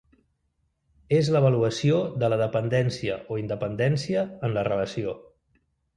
És l'avaluació de la dependència o independència en la relació.